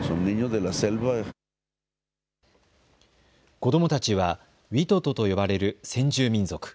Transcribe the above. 子どもたちはウィトトと呼ばれる先住民族。